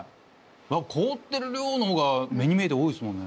凍ってる量の方が目に見えて多いっすもんね。